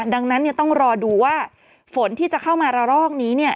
ดังนั้นเนี้ยต้องรอดูว่าฝนที่จะเข้ามาละรอกนี้เนี้ย